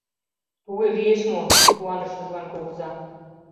— Туге лиеш мо? — куаныш Чужган кугыза.